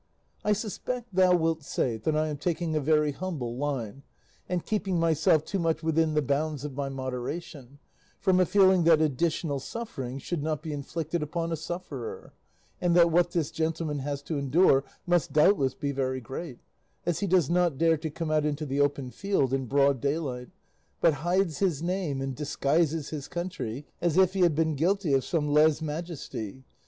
I suspect thou wilt say that I am taking a very humble line, and keeping myself too much within the bounds of my moderation, from a feeling that additional suffering should not be inflicted upon a sufferer, and that what this gentleman has to endure must doubtless be very great, as he does not dare to come out into the open field and broad daylight, but hides his name and disguises his country as if he had been guilty of some lese majesty.